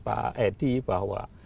pak edi bahwa